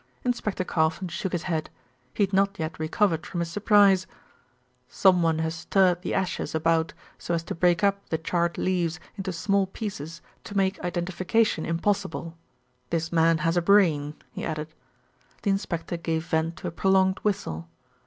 Inspector Carfon shook his head. He had not yet recovered from his surprise. "Someone has stirred the ashes about so as to break up the charred leaves into small pieces to make identification impossible. This man has a brain," he added. The inspector gave vent to a prolonged whistle.